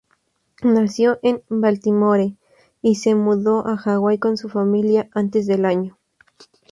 Nació en Baltimore y se mudó a Hawái con su familia antes del año.